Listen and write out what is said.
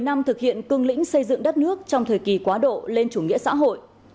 bảy mươi năm thực hiện cương lĩnh xây dựng đất nước trong thời kỳ quá độ lên chủ nghĩa xã hội